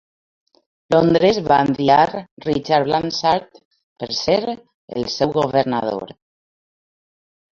Londres va enviar Richard Blanshard per ser el seu governador.